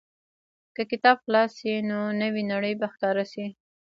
که کتاب خلاص شي، نو نوې نړۍ به ښکاره شي.